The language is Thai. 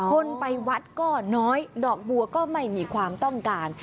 คนไปวัดก็น้อยดอกบัวก็ไม่มีความต้องการ